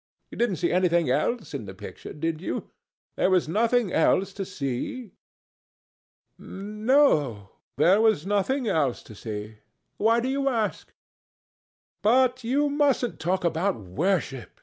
You didn't see anything else in the picture, did you? There was nothing else to see?" "No; there was nothing else to see. Why do you ask? But you mustn't talk about worship.